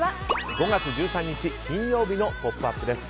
５月１３日、金曜日の「ポップＵＰ！」です。